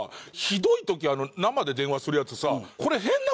ひどい時生で電話するやつさ。